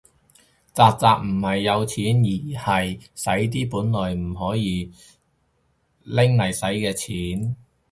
宅宅唔係有錢，而係洗緊啲本來唔可以拎嚟洗嘅錢